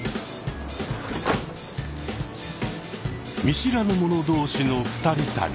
見知らぬ者同士の二人旅。